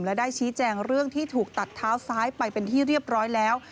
และได้ชี้แจงเรื่องที่ถูกตัดเท้าซ้ายไปเป็นที่เรียบร้อยแล้ว